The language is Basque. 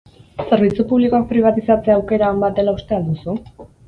Zerbitzu publikoak pribatizatzea aukera on bat dela uste al duzu?